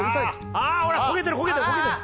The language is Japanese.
ああほら焦げてる焦げてる焦げてる！